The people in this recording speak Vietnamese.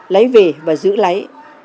lấy về và giữ lấy